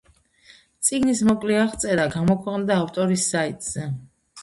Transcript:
წიგნის მოკლე აღწერა გამოქვეყნდა ავტორის საიტზე.